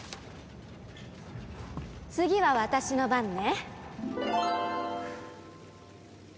次は私の番ね。